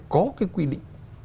có cái quy định